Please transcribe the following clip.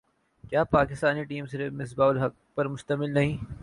کہ پاکستانی ٹیم صرف مصباح الحق پر مشتمل نہیں